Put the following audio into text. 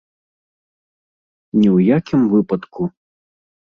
Ні ў якім выпадку!